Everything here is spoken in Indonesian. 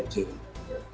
dari kepala dan imc